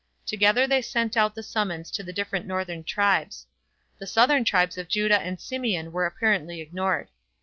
Together they sent out the summons to the different northern tribes. The southern tribes of Judah and Simeon were apparently ignored.